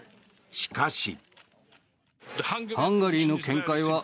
しかし。